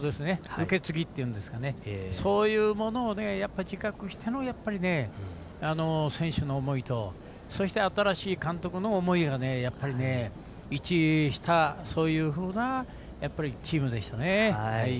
受け継ぎっていうんですかそういうものを自覚しての選手の思いと、そして新しい監督の思いが一致したそういうふうなチームでしたね。